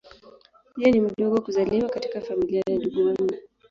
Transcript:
Yeye ni mdogo kuzaliwa katika familia ya ndugu wanne.